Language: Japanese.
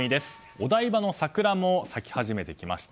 お台場の桜も咲き始めてきました。